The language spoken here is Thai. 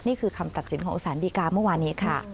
นี่คือคำตัดสินของสารดีกาเมื่อวานนี้ค่ะ